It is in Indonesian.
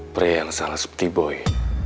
pria yang sangat seperti boy